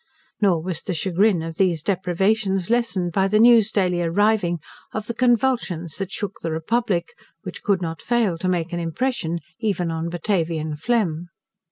Nor was the chagrin of these deprivations lessened by the news daily arriving of the convulsions that shook the republic, which could not fail to make an impression even on Batavian phlegm.